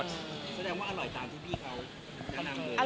แสดงว่าอร่อยตามทุกที่เขา